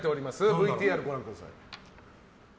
ＶＴＲをご覧ください。